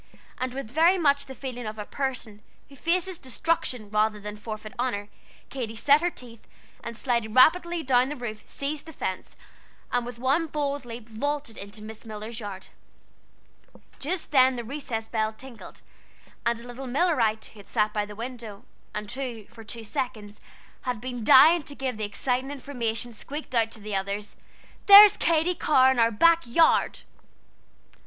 And with very much the feeling of a person who faces destruction rather than forfeit honor, Katy set her teeth, and sliding rapidly down the roof, seized the fence, and with one bold leap vaulted into Miss Miller's yard. Just then the recess bell tinkled; and a little Millerite who sat by the window, and who, for two seconds, had been dying to give the exciting information, squeaked out to the others: "There's Katy Carr in our back yard!"